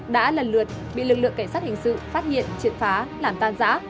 đã lần lượt bị lực lượng cảnh sát hình sự phát hiện triệt phá làm tan giã